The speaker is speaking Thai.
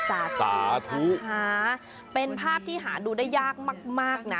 สาธุค่ะเป็นภาพที่หาดูได้ยากมากนะ